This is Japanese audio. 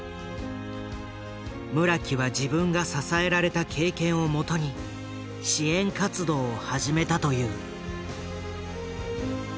村木は自分が支えられた経験をもとに支援活動を始めたという。